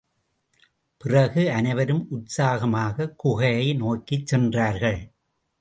பிறகு, அனைவரும் உற்சாகமாகக் குகையை நோக்கிச் சென்றார்கள்.